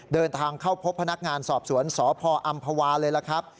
เดินทางเข้าพบพนักงานสอบสวนสพอำภาวาเลยล่ะครับ